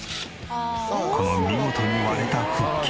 この見事に割れた腹筋。